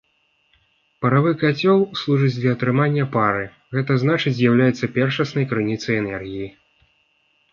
Паравы кацёл служыць для атрымання пара, гэта значыць з'яўляецца першасным крыніцай энергіі.